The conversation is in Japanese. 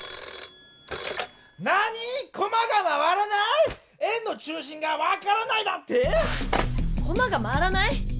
☎なにぃ⁉コマが回らない⁉円の中心がわからないだって⁉コマが回らない？